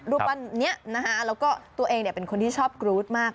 รูปปั้นนี้นะคะแล้วก็ตัวเองเป็นคนที่ชอบกรู๊ดมาก